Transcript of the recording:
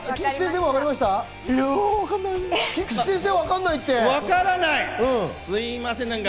菊地先生、わからないんだって！